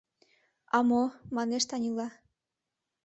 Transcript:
— А мо, — манеш Танила.